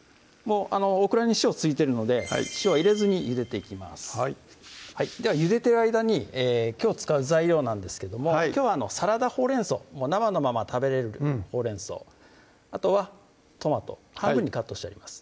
オクラに塩ついてるので塩は入れずにゆでていきますではゆでてる間にきょう使う材料なんですけどもきょうはサラダほうれん草生のまま食べれるほうれん草あとはトマト半分にカットしてあります